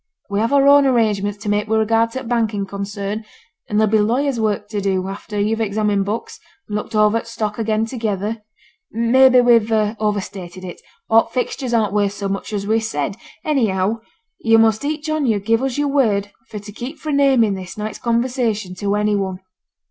We have our own arrangements to make wi' regard to the banking concern, and there'll be lawyer's work to do, after yo've examined books and looked over stock again together; may be we've overstated it, or t' fixtures aren't worth so much as we said. Anyhow yo' must each on yo' give us yo'r word for to keep fra' naming this night's conversation to any one.